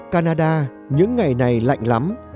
canada những ngày này lạnh lắm